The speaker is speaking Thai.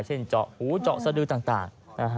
เช่นเจาะหูเจาะสดือต่าง